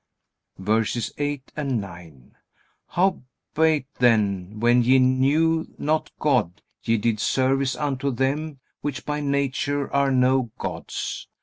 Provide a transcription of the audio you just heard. VERSES 8 and 9. Howbeit then, when ye knew not God, ye did service unto them which by nature are no gods.